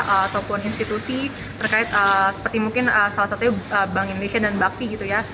ataupun institusi terkait seperti mungkin salah satunya bank indonesia dan bakti gitu ya